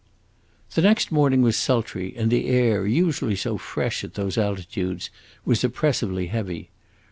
The next morning was sultry, and the air, usually so fresh at those altitudes, was oppressively heavy.